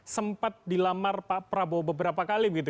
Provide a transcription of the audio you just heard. sempat dilamar pak prabowo beberapa kali begitu